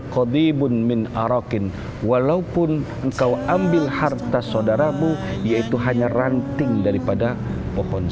kodibun min arakin walaupun engkau ambil harta saudaramu yaitu hanya ranting daripada pohon